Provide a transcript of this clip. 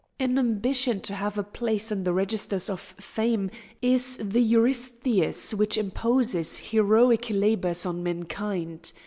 Cadmus. An ambition to have a place in the registers of fame is the Eurystheus which imposes heroic labours on mankind.